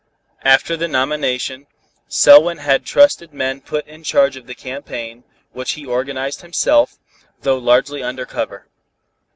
After the nomination, Selwyn had trusted men put in charge of the campaign, which he organized himself, though largely under cover.